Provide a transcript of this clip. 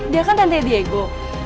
dia kan tantanya diego